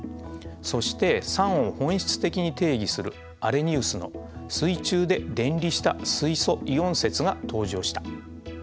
そして酸を本質的に定義するアレニウスの水中で電離した水素イオン説が登場した。